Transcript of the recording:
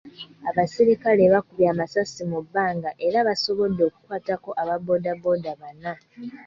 Abasirikale baakubye amasasi mu bbanga era baasobodde okukwatako aba bbooda bbooda bana.